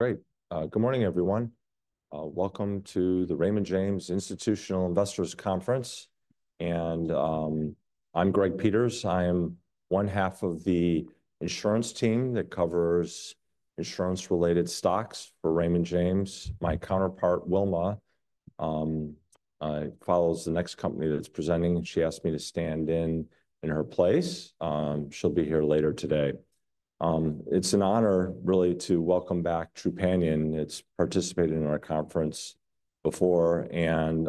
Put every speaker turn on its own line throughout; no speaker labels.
Great. Good morning, everyone. Welcome to the Raymond James Institutional Investors Conference, and I'm Greg Peters. I am one half of the insurance team that covers insurance-related stocks for Raymond James. My counterpart, Wilma, follows the next company that's presenting. She asked me to stand in her place. She'll be here later today. It's an honor, really, to welcome back Trupanion. It's participated in our conference before, and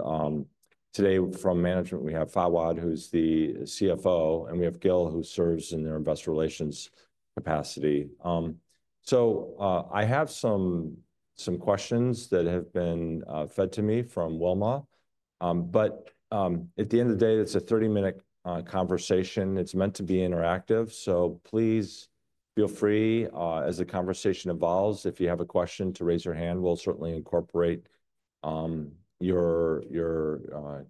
today, from management, we have Fawwad, who's the CFO, and we have Gil, who serves in their investor relations capacity. So I have some questions that have been fed to me from Wilma, but at the end of the day, it's a 30-minute conversation. It's meant to be interactive. So please feel free, as the conversation evolves, if you have a question to raise your hand. We'll certainly incorporate your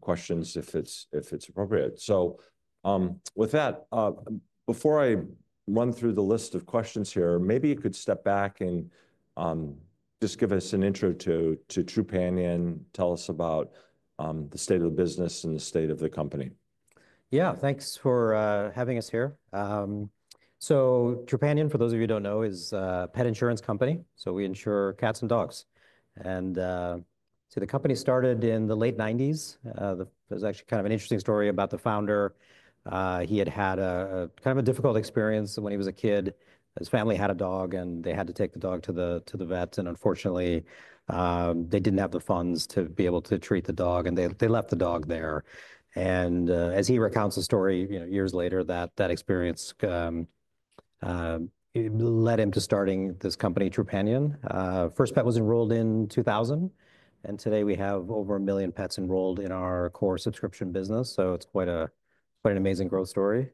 questions if it's appropriate. Hh So with that, before I run through the list of questions here, maybe you could step back and just give us an intro to Trupanion, tell us about the state of the business and the state of the company.
Yeah, thanks for having us here. So Trupanion, for those of you who don't know, is a pet insurance company. So we insure cats and dogs. And so the company started in the late 1990s. There's actually kind of an interesting story about the founder. He had had a kind of a difficult experience when he was a kid. His family had a dog, and they had to take the dog to the vet. And unfortunately, they didn't have the funds to be able to treat the dog, and they left the dog there. And as he recounts the story, years later, that experience led him to starting this company, Trupanion. First pet was enrolled in 2000. And today, we have over a million pets enrolled in our core subscription business. So it's quite an amazing growth story.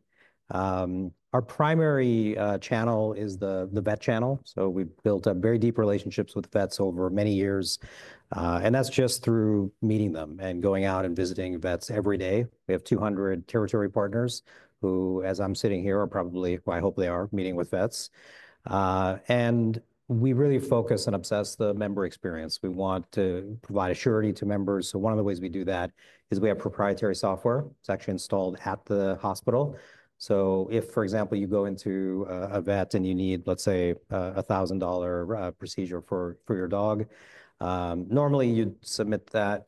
Our primary channel is the vet channel. So we've built up very deep relationships with vets over many years. And that's just through meeting them and going out and visiting vets every day. We have 200 Territory Partners who, as I'm sitting here, are probably, well, I hope they are, meeting with vets. And we really focus and obsess on the member experience. We want to provide surety to members. So one of the ways we do that is we have proprietary software. It's actually installed at the hospital. So if, for example, you go into a vet and you need, let's say, a $1,000 procedure for your dog, normally, you'd submit that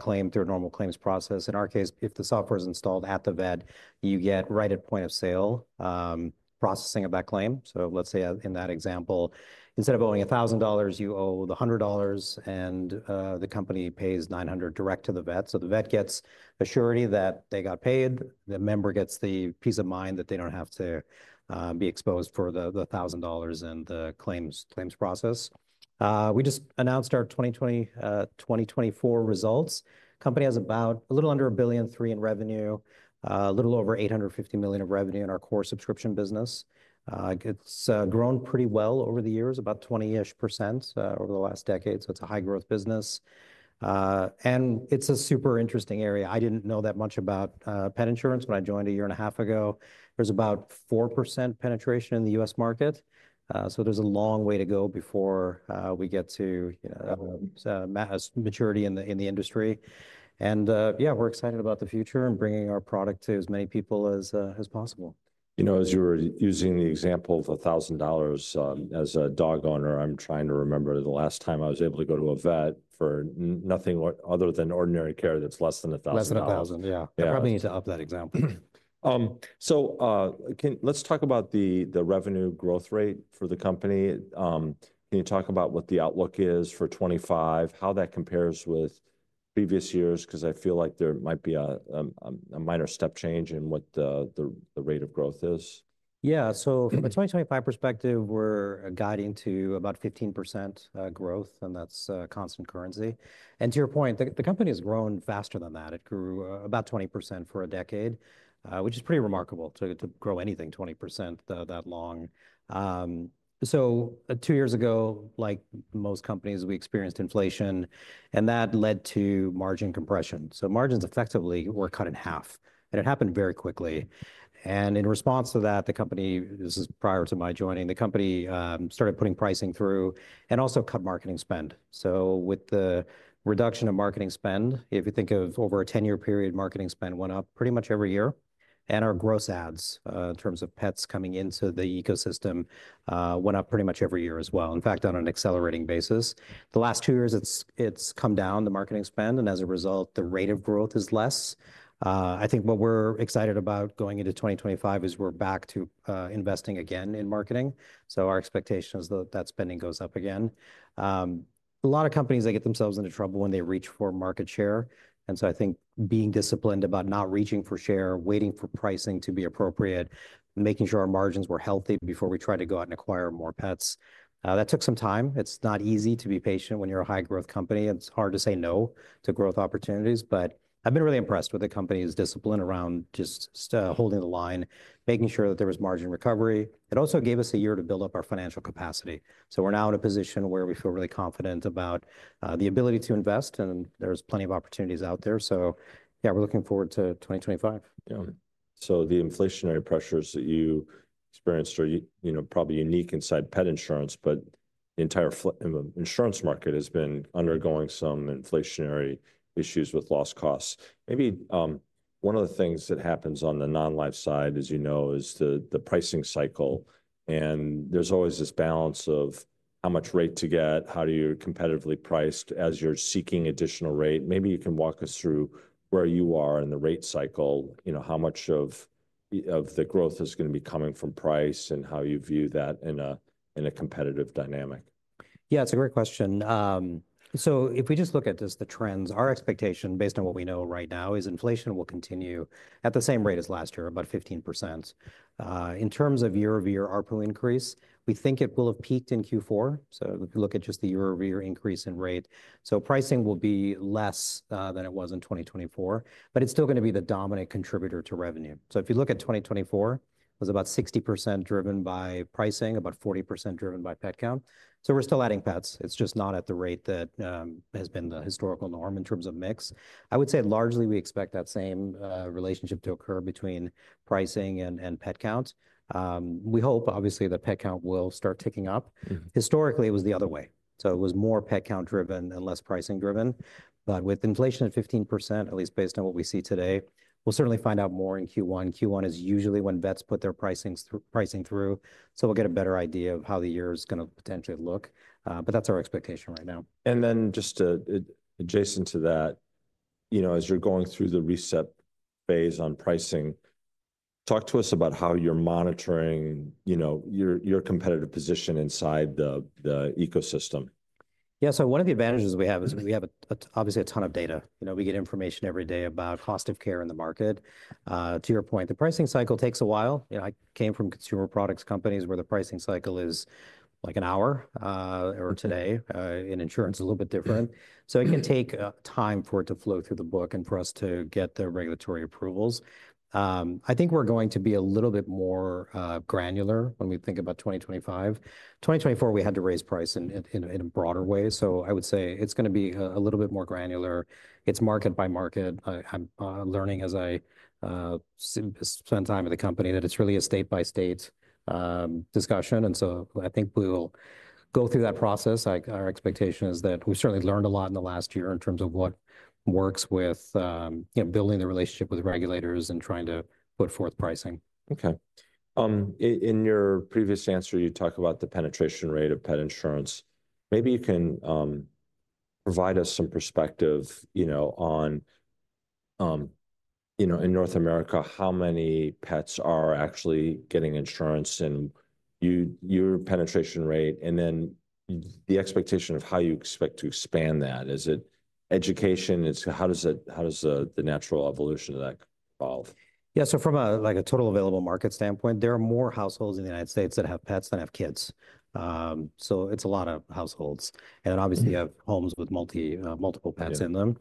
claim through a normal claims process. In our case, if the software is installed at the vet, you get right at point of sale processing of that claim. So let's say, in that example, instead of owing $1,000, you owe the $100, and the company pays $900 direct to the vet. So the vet gets surety that they got paid. The member gets the peace of mind that they don't have to be exposed for the $1,000 and the claims process. We just announced our 2024 results. The company has about a little under a billion in revenue, a little over $850 million in revenue in our core subscription business. It's grown pretty well over the years, about 20-ish% over the last decade. So it's a high-growth business. And it's a super interesting area. I didn't know that much about pet insurance when I joined a year and a half ago. There's about 4% penetration in the U.S. market. So there's a long way to go before we get to maturity in the industry. Yeah, we're excited about the future and bringing our product to as many people as possible.
You know, as you were using the example of $1,000, as a dog owner, I'm trying to remember the last time I was able to go to a vet for nothing other than ordinary care that's less than $1,000.
Less than $1,000, yeah. I probably need to up that example.
So let's talk about the revenue growth rate for the company. Can you talk about what the outlook is for 2025, how that compares with previous years? Because I feel like there might be a minor step change in what the rate of growth is.
Yeah. So from a 2025 perspective, we're guiding to about 15% growth, and that's constant currency, and to your point, the company has grown faster than that. It grew about 20% for a decade, which is pretty remarkable to grow anything 20% that long, so two years ago, like most companies, we experienced inflation, and that led to margin compression, so margins effectively were cut in half, and it happened very quickly, and in response to that, the company, this is prior to my joining, the company started putting pricing through and also cut marketing spend, so with the reduction of marketing spend, if you think of over a 10-year period, marketing spend went up pretty much every year, and our gross adds, in terms of pets coming into the ecosystem, went up pretty much every year as well, in fact, on an accelerating basis. The last two years, it's come down, the marketing spend, and as a result, the rate of growth is less. I think what we're excited about going into 2025 is we're back to investing again in marketing, so our expectation is that that spending goes up again. A lot of companies, they get themselves into trouble when they reach for market share, and so I think being disciplined about not reaching for share, waiting for pricing to be appropriate, making sure our margins were healthy before we tried to go out and acquire more pets. That took some time. It's not easy to be patient when you're a high-growth company. It's hard to say no to growth opportunities, but I've been really impressed with the company's discipline around just holding the line, making sure that there was margin recovery. It also gave us a year to build up our financial capacity. So we're now in a position where we feel really confident about the ability to invest. And there's plenty of opportunities out there. So yeah, we're looking forward to 2025.
Yeah. So the inflationary pressures that you experienced are probably unique inside pet insurance, but the entire insurance market has been undergoing some inflationary issues with loss costs. Maybe one of the things that happens on the non-life side, as you know, is the pricing cycle. And there's always this balance of how much rate to get, how do you competitively price as you're seeking additional rate. Maybe you can walk us through where you are in the rate cycle, how much of the growth is going to be coming from price, and how you view that in a competitive dynamic?
Yeah, it's a great question. So if we just look at just the trends, our expectation, based on what we know right now, is inflation will continue at the same rate as last year, about 15%. In terms of year-over-year ARPU increase, we think it will have peaked in Q4. So if you look at just the year-over-year increase in rate, so pricing will be less than it was in 2024, but it's still going to be the dominant contributor to revenue. So if you look at 2024, it was about 60% driven by pricing, about 40% driven by pet count. So we're still adding pets. It's just not at the rate that has been the historical norm in terms of mix. I would say largely we expect that same relationship to occur between pricing and pet count. We hope, obviously, that pet count will start ticking up. Historically, it was the other way. So it was more pet count driven and less pricing driven. But with inflation at 15%, at least based on what we see today, we'll certainly find out more in Q1. Q1 is usually when vets put their pricing through. So we'll get a better idea of how the year is going to potentially look. But that's our expectation right now.
And then just adjacent to that, as you're going through the reset phase on pricing, talk to us about how you're monitoring your competitive position inside the ecosystem?
Yeah. So one of the advantages we have is we have obviously a ton of data. We get information every day about cost of care in the market. To your point, the pricing cycle takes a while. I came from consumer products companies where the pricing cycle is like an hour or today. In insurance, a little bit different. So it can take time for it to flow through the book and for us to get the regulatory approvals. I think we're going to be a little bit more granular when we think about 2025. 2024, we had to raise price in a broader way. So I would say it's going to be a little bit more granular. It's market by market. I'm learning as I spend time at the company that it's really a state-by-state discussion. And so I think we will go through that process. Our expectation is that we've certainly learned a lot in the last year in terms of what works with building the relationship with regulators and trying to put forth pricing.
Okay. In your previous answer, you talked about the penetration rate of pet insurance. Maybe you can provide us some perspective on, in North America, how many pets are actually getting insurance and your penetration rate, and then the expectation of how you expect to expand that. Is it education? How does the natural evolution of that evolve?
Yeah. So from a total available market standpoint, there are more households in the United States that have pets than have kids. So it's a lot of households. And then, obviously, you have homes with multiple pets in them.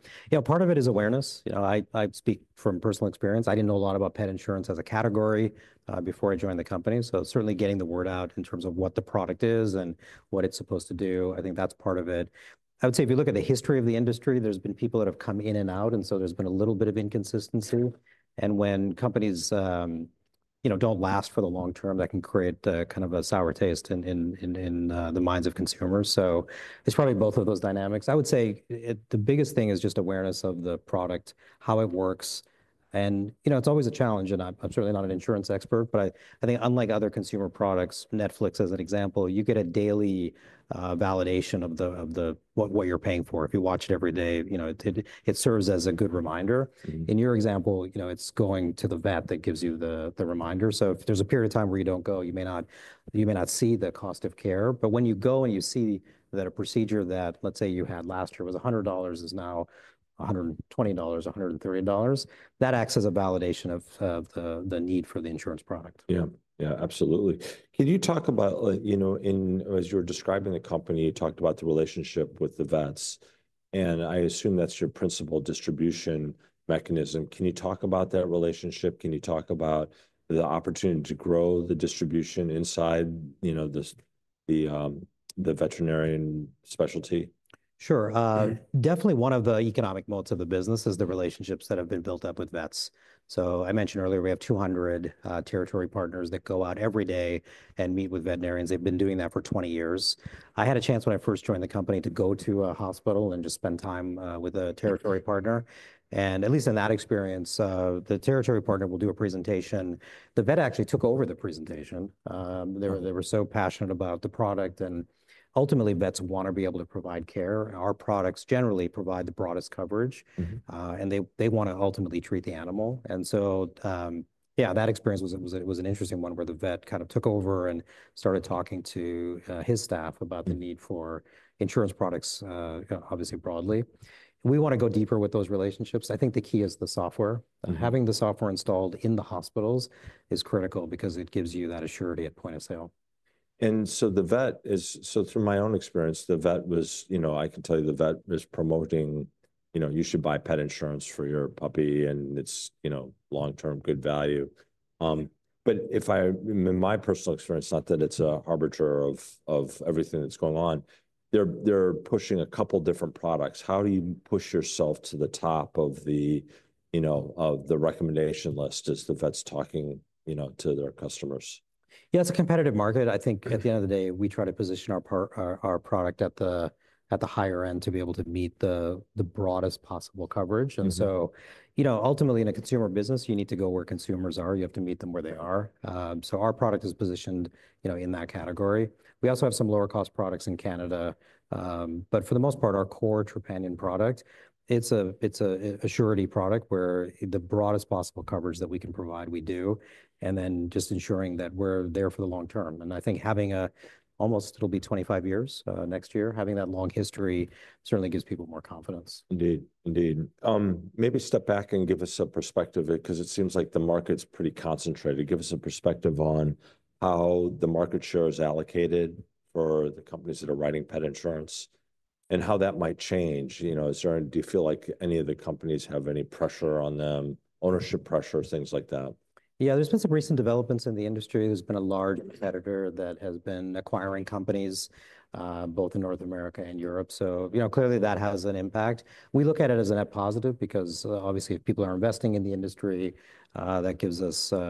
Part of it is awareness. I speak from personal experience. I didn't know a lot about pet insurance as a category before I joined the company. So certainly getting the word out in terms of what the product is and what it's supposed to do, I think that's part of it. I would say if you look at the history of the industry, there's been people that have come in and out. And so there's been a little bit of inconsistency. And when companies don't last for the long term, that can create kind of a sour taste in the minds of consumers. So it's probably both of those dynamics. I would say the biggest thing is just awareness of the product, how it works. And it's always a challenge. And I'm certainly not an insurance expert. But I think, unlike other consumer products, Netflix, as an example, you get a daily validation of what you're paying for. If you watch it every day, it serves as a good reminder. In your example, it's going to the vet that gives you the reminder. So if there's a period of time where you don't go, you may not see the cost of care. But when you go and you see that a procedure that, let's say, you had last year was $100, is now $120, $130, that acts as a validation of the need for the insurance product.
Yeah, yeah, absolutely. Can you talk about, as you're describing the company, you talked about the relationship with the vets. And I assume that's your principal distribution mechanism. Can you talk about that relationship? Can you talk about the opportunity to grow the distribution inside the veterinarian specialty?
Sure. Definitely one of the economic moats of the business is the relationships that have been built up with vets, so I mentioned earlier, we have 200 Territory Partners that go out every day and meet with veterinarians. They've been doing that for 20 years. I had a chance when I first joined the company to go to a hospital and just spend time with a territory partner, and at least in that experience, the territory partner will do a presentation. The vet actually took over the presentation. They were so passionate about the product, and ultimately, vets want to be able to provide care. Our products generally provide the broadest coverage, and they want to ultimately treat the animal, and so, yeah, that experience was an interesting one where the vet kind of took over and started talking to his staff about the need for insurance products, obviously, broadly. We want to go deeper with those relationships. I think the key is the software. Having the software installed in the hospitals is critical because it gives you that assurance at point of sale.
Through my own experience, I can tell you the vet is promoting you should buy pet insurance for your puppy, and it's long-term good value. But in my personal experience, not that it's an arbiter of everything that's going on, they're pushing a couple of different products. How do you push yourself to the top of the recommendation list as the vet's talking to their customers?
Yeah, it's a competitive market. I think at the end of the day, we try to position our product at the higher end to be able to meet the broadest possible coverage. And so ultimately, in a consumer business, you need to go where consumers are. You have to meet them where they are. So our product is positioned in that category. We also have some lower-cost products in Canada. But for the most part, our core Trupanion product, it's an assurance product where the broadest possible coverage that we can provide, we do, and then just ensuring that we're there for the long term. And I think having a, almost it'll be 25 years next year, having that long history certainly gives people more confidence.
Indeed, indeed. Maybe step back and give us a perspective because it seems like the market's pretty concentrated. Give us a perspective on how the market share is allocated for the companies that are writing pet insurance and how that might change. Do you feel like any of the companies have any pressure on them, ownership pressure, things like that?
Yeah, there's been some recent developments in the industry. There's been a large competitor that has been acquiring companies both in North America and Europe. So clearly, that has an impact. We look at it as a net positive because, obviously, if people are investing in the industry, that gives us sort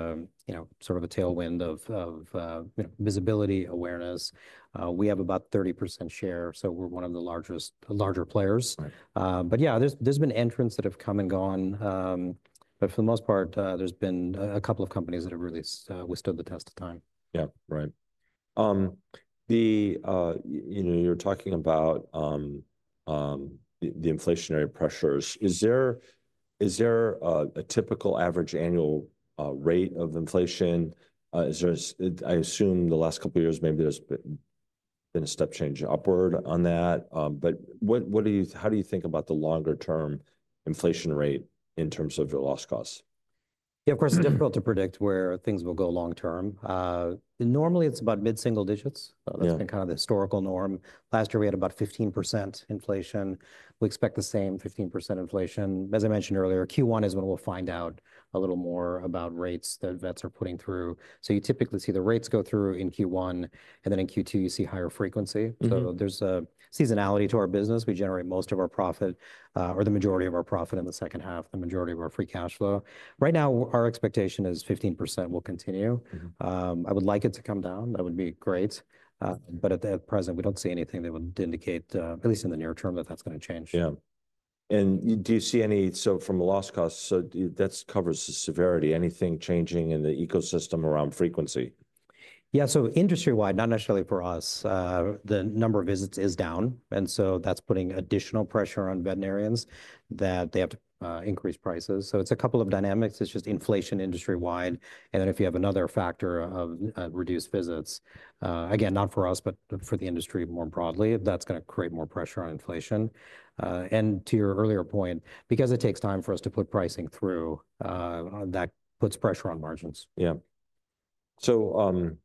of a tailwind of visibility, awareness. We have about 30% share. So we're one of the larger players. But yeah, there's been entrants that have come and gone. But for the most part, there's been a couple of companies that have really withstood the test of time.
Yeah, right. You're talking about the inflationary pressures. Is there a typical average annual rate of inflation? I assume the last couple of years, maybe there's been a step change upward on that. But how do you think about the longer-term inflation rate in terms of your loss costs?
Yeah, of course, it's difficult to predict where things will go long term. Normally, it's about mid-single digits. That's been kind of the historical norm. Last year, we had about 15% inflation. We expect the same 15% inflation. As I mentioned earlier, Q1 is when we'll find out a little more about rates that vets are putting through. So you typically see the rates go through in Q1, and then in Q2, you see higher frequency, so there's a seasonality to our business. We generate most of our profit or the majority of our profit in the second half, the majority of our free cash flow. Right now, our expectation is 15% will continue. I would like it to come down. That would be great. But at present, we don't see anything that would indicate, at least in the near term, that that's going to change.
Yeah. And do you see any, so from the loss costs, so that covers the severity, anything changing in the ecosystem around frequency?
Yeah, so industry-wide, not necessarily for us, the number of visits is down, and so that's putting additional pressure on veterinarians that they have to increase prices, so it's a couple of dynamics. It's just inflation industry-wide, and then if you have another factor of reduced visits, again, not for us, but for the industry more broadly, that's going to create more pressure on inflation, and to your earlier point, because it takes time for us to put pricing through, that puts pressure on margins.
Yeah. So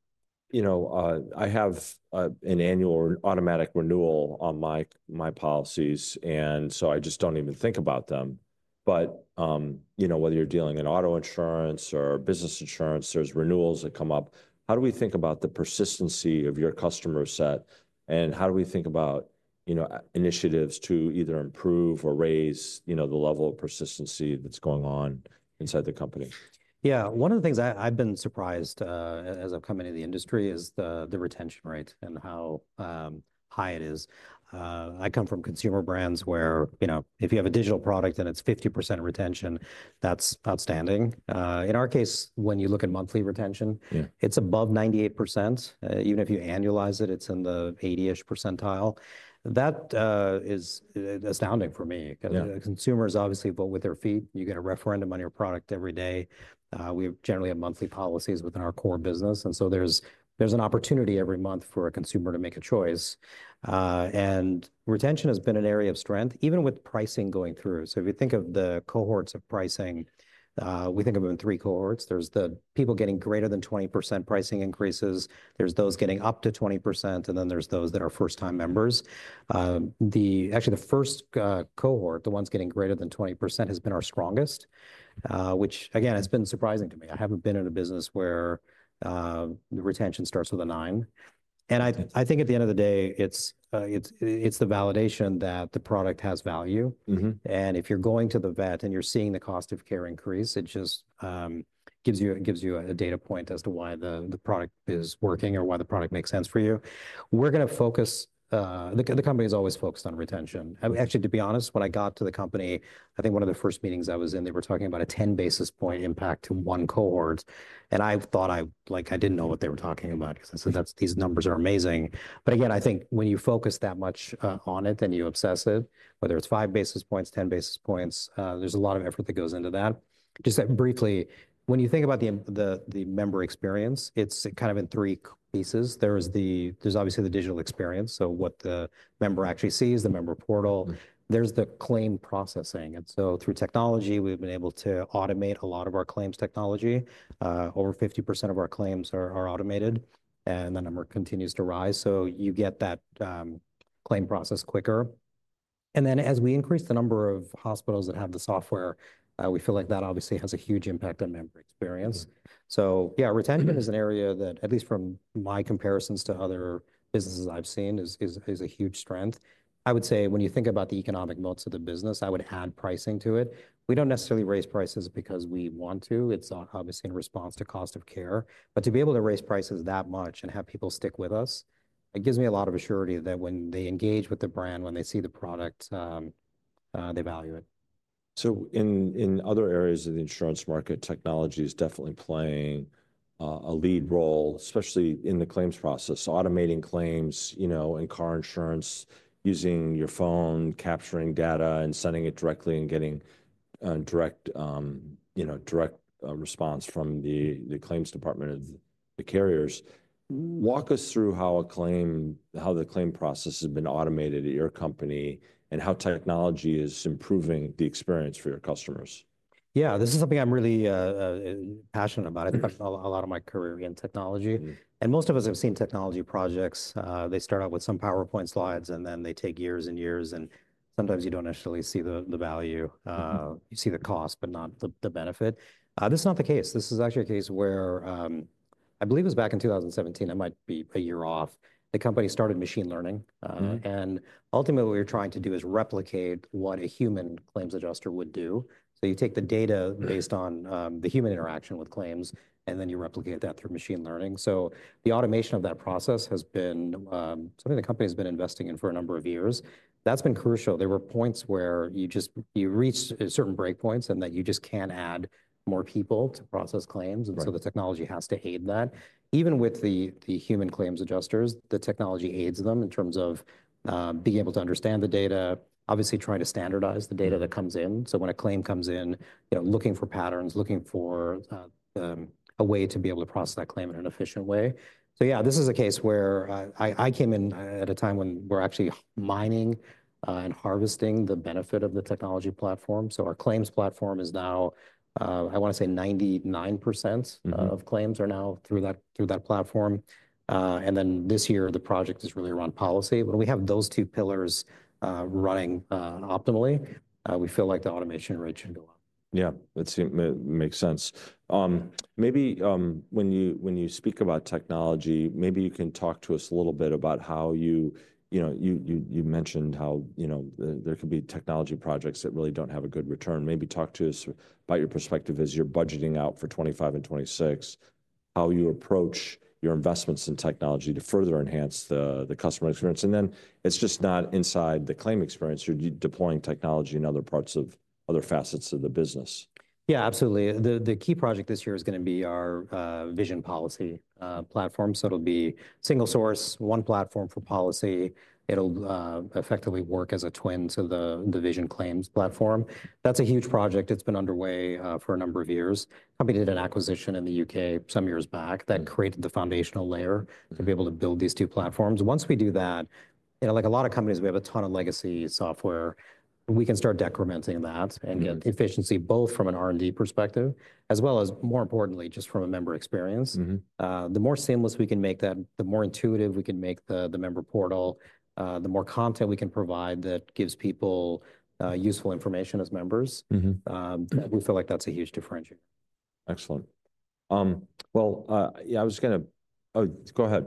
I have an annual or automatic renewal on my policies. And so I just don't even think about them. But whether you're dealing in auto insurance or business insurance, there's renewals that come up. How do we think about the persistency of your customer set? And how do we think about initiatives to either improve or raise the level of persistency that's going on inside the company?
Yeah. One of the things I've been surprised as I've come into the industry is the retention rate and how high it is. I come from consumer brands where if you have a digital product and it's 50% retention, that's outstanding. In our case, when you look at monthly retention, it's above 98%. Even if you annualize it, it's in the 80-ish percentile. That is astounding for me because consumers, obviously, vote with their feet. You get a referendum on your product every day. We generally have monthly policies within our core business. And so there's an opportunity every month for a consumer to make a choice. And retention has been an area of strength, even with pricing going through. So if you think of the cohorts of pricing, we think of them in three cohorts. There's the people getting greater than 20% pricing increases. There's those getting up to 20%, and then there's those that are first-time members. Actually, the first cohort, the ones getting greater than 20%, has been our strongest, which, again, has been surprising to me. I haven't been in a business where the retention starts with a 9, and I think at the end of the day, it's the validation that the product has value, and if you're going to the vet and you're seeing the cost of care increase, it just gives you a data point as to why the product is working or why the product makes sense for you. We're going to focus. The company is always focused on retention. Actually, to be honest, when I got to the company, I think one of the first meetings I was in, they were talking about a 10 basis points impact to one cohort. I thought I didn't know what they were talking about because I said, "These numbers are amazing." But again, I think when you focus that much on it and you obsess it, whether it's 5 basis points, 10 basis points, there's a lot of effort that goes into that. Just briefly, when you think about the member experience, it's kind of in three pieces. There's obviously the digital experience. So what the member actually sees, the member portal. There's the claim processing. And so through technology, we've been able to automate a lot of our claims technology. Over 50% of our claims are automated. And the number continues to rise. So you get that claim process quicker. And then as we increase the number of hospitals that have the software, we feel like that obviously has a huge impact on member experience. So yeah, retention is an area that, at least from my comparisons to other businesses I've seen, is a huge strength. I would say when you think about the economic moats of the business, I would add pricing to it. We don't necessarily raise prices because we want to. It's obviously in response to cost of care. But to be able to raise prices that much and have people stick with us, it gives me a lot of certainty that when they engage with the brand, when they see the product, they value it.
In other areas of the insurance market, technology is definitely playing a lead role, especially in the claims process, automating claims in car insurance, using your phone, capturing data, and sending it directly and getting direct response from the claims department of the carriers. Walk us through how the claim process has been automated at your company and how technology is improving the experience for your customers.
Yeah, this is something I'm really passionate about. I spent a lot of my career in technology. And most of us have seen technology projects. They start out with some PowerPoint slides, and then they take years and years. And sometimes you don't necessarily see the value. You see the cost, but not the benefit. This is not the case. This is actually a case where, I believe it was back in 2017, I might be a year off, the company started machine learning. And ultimately, what we're trying to do is replicate what a human claims adjuster would do. So you take the data based on the human interaction with claims, and then you replicate that through machine learning. So the automation of that process has been something the company has been investing in for a number of years. That's been crucial. There were points where you reached certain breakpoints and that you just can't add more people to process claims, and so the technology has to aid that. Even with the human claims adjusters, the technology aids them in terms of being able to understand the data, obviously trying to standardize the data that comes in. So when a claim comes in, looking for patterns, looking for a way to be able to process that claim in an efficient way. So yeah, this is a case where I came in at a time when we're actually mining and harvesting the benefit of the technology platform. So our claims platform is now, I want to say 99% of claims are now through that platform, and then this year, the project is really around policy. When we have those two pillars running optimally, we feel like the automation rate should go up.
Yeah, that makes sense. Maybe when you speak about technology, maybe you can talk to us a little bit about how you mentioned how there could be technology projects that really don't have a good return. Maybe talk to us about your perspective as you're budgeting out for 2025 and 2026, how you approach your investments in technology to further enhance the customer experience. And then it's just not inside the claim experience. You're deploying technology in other parts of other facets of the business?
Yeah, absolutely. The key project this year is going to be our Vision Policy platform. So it'll be single source, one platform for policy. It'll effectively work as a twin to the Vision Claims platform. That's a huge project. It's been underway for a number of years. The company did an acquisition in the U.K. some years back that created the foundational layer to be able to build these two platforms. Once we do that, like a lot of companies, we have a ton of legacy software. We can start decrementing that and get efficiency both from an R&D perspective, as well as, more importantly, just from a member experience. The more seamless we can make that, the more intuitive we can make the member portal, the more content we can provide that gives people useful information as members. We feel like that's a huge differentiator.
Excellent. Well, yeah, I was going to. Oh, go ahead.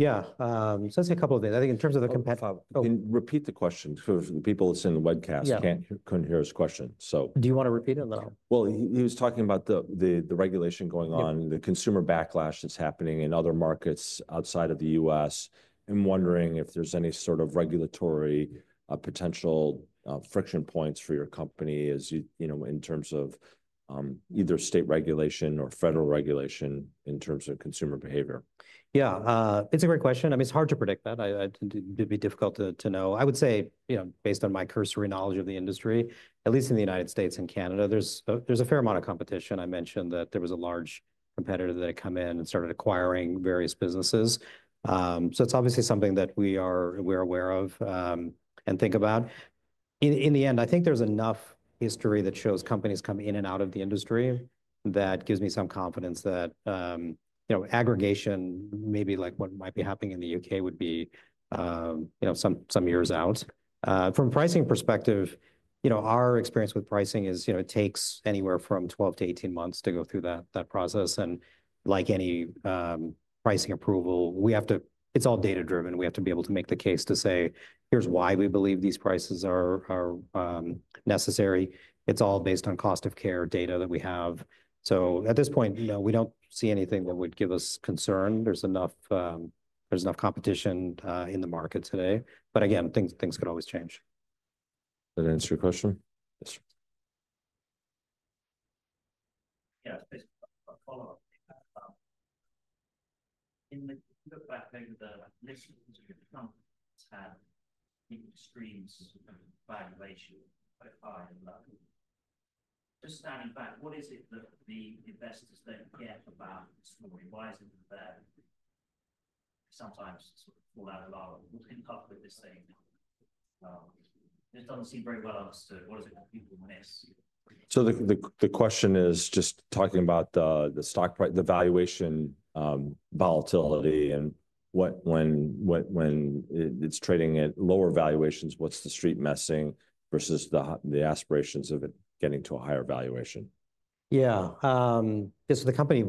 Yeah.
So I'll say a couple of things. I think in terms of the.
Repeat the question because the people that's in the webcast couldn't hear his question, so.
Do you want to repeat it?
He was talking about the regulation going on, the consumer backlash that's happening in other markets outside of the U.S. I'm wondering if there's any sort of regulatory potential friction points for your company in terms of either state regulation or federal regulation in terms of consumer behavior?
Yeah, it's a great question. I mean, it's hard to predict that. It'd be difficult to know. I would say, based on my cursory knowledge of the industry, at least in the United States and Canada, there's a fair amount of competition. I mentioned that there was a large competitor that had come in and started acquiring various businesses. So it's obviously something that we are aware of and think about. In the end, I think there's enough history that shows companies come in and out of the industry that gives me some confidence that aggregation, maybe like what might be happening in the U.K., would be some years out. From a pricing perspective, our experience with pricing is it takes anywhere from 12-18 months to go through that process, and like any pricing approval, it's all data-driven. We have to be able to make the case to say, "Here's why we believe these prices are necessary." It's all based on cost of care data that we have. So at this point, we don't see anything that would give us concern. There's enough competition in the market today. But again, things could always change.
Did I answer your question? In the back of the minds of the listeners who have come to the panel, the extremes of valuation are quite high and low. Just standing back, what is it that the investors don't get about the story? Why is it that sometimes it's all or nothing? What's been covered this evening? It doesn't seem very well understood. What is it that people miss? So the question is just talking about the valuation volatility and when it's trading at lower valuations, what's the Street missing versus the aspirations of it getting to a higher valuation?
Yeah. So the company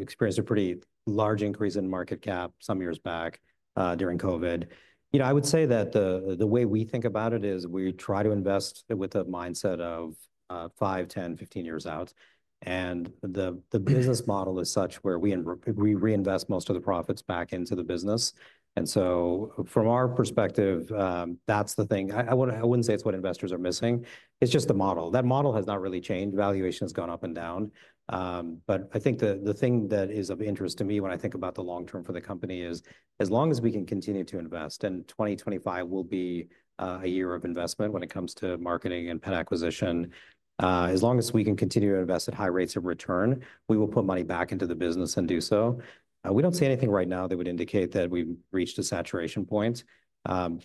experienced a pretty large increase in market cap some years back during COVID. I would say that the way we think about it is we try to invest with a mindset of 5, 10, 15 years out. And the business model is such where we reinvest most of the profits back into the business. And so from our perspective, that's the thing. I wouldn't say it's what investors are missing. It's just the model. That model has not really changed. Valuation has gone up and down. But I think the thing that is of interest to me when I think about the long term for the company is as long as we can continue to invest, and 2025 will be a year of investment when it comes to marketing and pet acquisition, as long as we can continue to invest at high rates of return, we will put money back into the business and do so. We don't see anything right now that would indicate that we've reached a saturation point.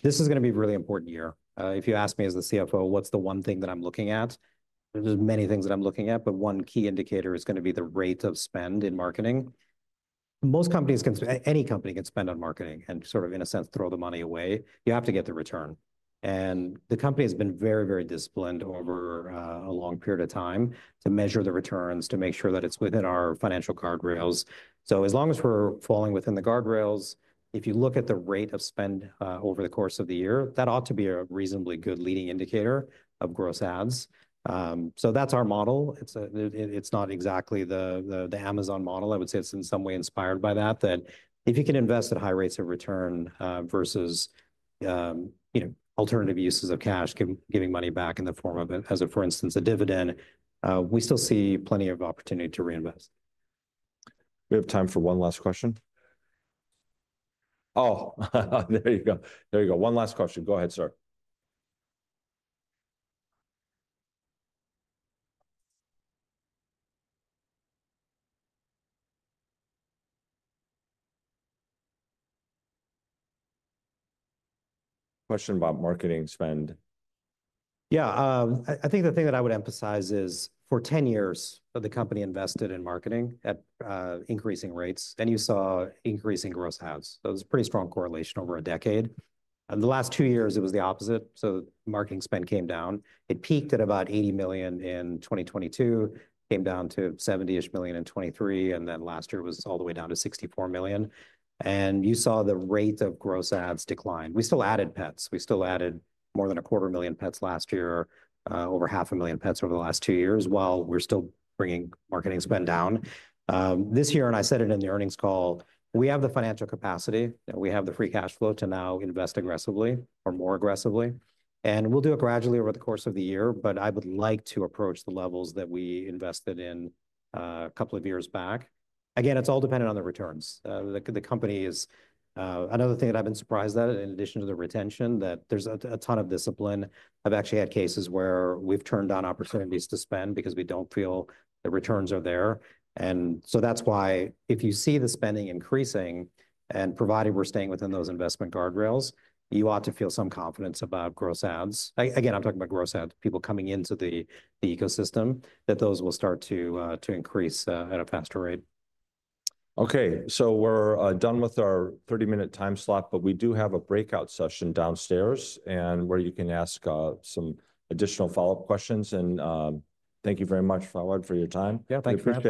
This is going to be a really important year. If you ask me as the CFO, what's the one thing that I'm looking at? There's many things that I'm looking at, but one key indicator is going to be the rate of spend in marketing. Any company can spend on marketing and sort of, in a sense, throw the money away. You have to get the return. And the company has been very, very disciplined over a long period of time to measure the returns to make sure that it's within our financial guardrails. So as long as we're falling within the guardrails, if you look at the rate of spend over the course of the year, that ought to be a reasonably good leading indicator of gross adds. So that's our model. It's not exactly the Amazon model. I would say it's in some way inspired by that, that if you can invest at high rates of return versus alternative uses of cash, giving money back in the form of, for instance, a dividend, we still see plenty of opportunity to reinvest.
We have time for one last question. Oh, there you go. There you go. One last question. Go ahead, sir. Question about marketing spend.
Yeah. I think the thing that I would emphasize is for 10 years, the company invested in marketing at increasing rates, and you saw increasing gross adds, so it was a pretty strong correlation over a decade. The last two years, it was the opposite, so marketing spend came down. It peaked at about $80 million in 2022, came down to $70-ish million in 2023, and then last year was all the way down to $64 million, and you saw the rate of gross adds decline. We still added pets. We still added more than 250,000 pets last year, over 500,000 pets over the last two years, while we're still bringing marketing spend down. This year, and I said it in the earnings call, we have the financial capacity. We have the free cash flow to now invest aggressively or more aggressively. We'll do it gradually over the course of the year, but I would like to approach the levels that we invested in a couple of years back. Again, it's all dependent on the returns. The company is another thing that I've been surprised at, in addition to the retention, that there's a ton of discipline. I've actually had cases where we've turned down opportunities to spend because we don't feel the returns are there. And so that's why if you see the spending increasing and provided we're staying within those investment guardrails, you ought to feel some confidence about gross adds. Again, I'm talking about gross adds, people coming into the ecosystem, that those will start to increase at a faster rate.
Okay. So we're done with our 30-minute time slot, but we do have a breakout session downstairs where you can ask some additional follow-up questions. And thank you very much, Fawwad, for your time.
Yeah, thank you.